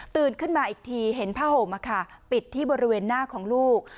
ขึ้นมาอีกทีเห็นผ้าห่มปิดที่บริเวณหน้าของลูก